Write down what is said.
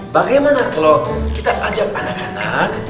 bagaimana kalau kita ajak anak anak